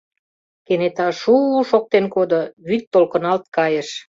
Кенета ш-у-у шоктен кодо, вӱд толкыналт кайыш.